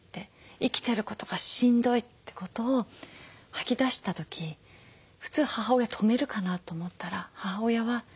生きてることがしんどいってことを吐き出した時普通母親止めるかなと思ったら母親は「いいよ」って。